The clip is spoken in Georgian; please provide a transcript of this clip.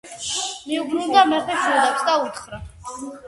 მიუბრუნდა მეფე შვილებს და უთხრა: